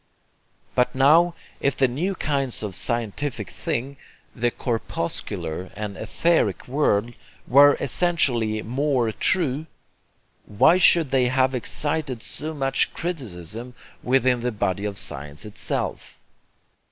But now if the new kinds of scientific 'thing,' the corpuscular and etheric world, were essentially more 'true,' why should they have excited so much criticism within the body of science itself?